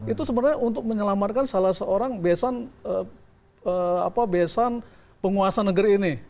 itu sebenarnya untuk menyelamatkan salah seorang besan penguasa negeri ini